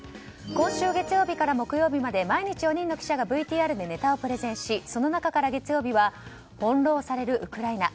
今週月曜日から木曜日まで毎日４人の記者がＶＴＲでネタをプレゼンしその中から月曜日は翻弄されるウクライナ。